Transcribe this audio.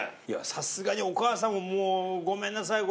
さすがにお母さんもごめんなさい